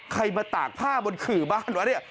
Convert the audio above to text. ใครมาตากผ้าบนขื่อบ้านวะเนี่ย